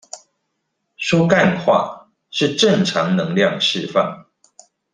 說幹話是正常能量釋放